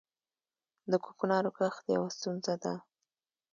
د کوکنارو کښت یوه ستونزه ده